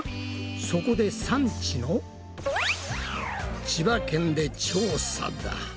そこで産地の千葉県で調査だ。